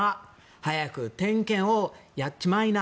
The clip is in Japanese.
早く点検をやっちマイナ。